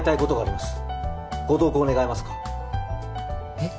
えっ？